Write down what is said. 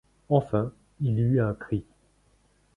Enfin, il y eut un cri.